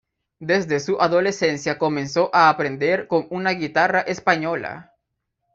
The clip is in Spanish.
Desde su adolescencia comenzó a aprender con una guitarra española.